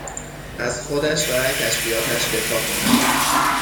از خودش و کشفیاتش دفاع کند.